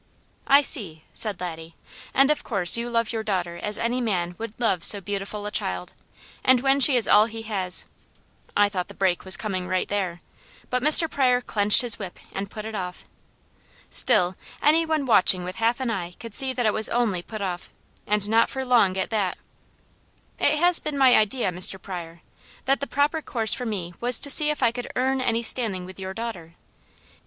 "I see!" said Laddie. "And of course you love your daughter as any man would love so beautiful a child, and when she is all he has " I thought the break was coming right there, but Mr. Pryor clenched his whip and put it off; still, any one watching with half an eye could see that it was only put off, and not for long at that, "It has been my idea, Mr. Pryor, that the proper course for me was to see if I could earn any standing with your daughter.